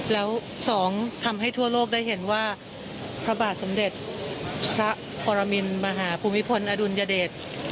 แล้วสองทำให้ทั่วโลกได้เห็นว่าพระบาทสมเด็จพระปรมินมหาภูมิพลอดุลยเดช